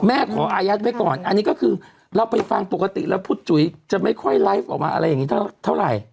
ขออายัดไว้ก่อนอันนี้ก็คือเราไปฟังปกติแล้วพุทธจุ๋ยจะไม่ค่อยไลฟ์ออกมาอะไรอย่างนี้เท่าไหร่